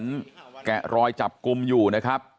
แกะรอยจับกลุ่มอยู่นะครับ